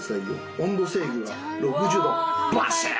温度制御が６０度バシッ！